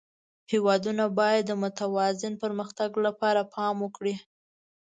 هېوادونه باید د متوازن پرمختګ لپاره پام وکړي.